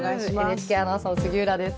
ＮＨＫアナウンサーの杉浦です。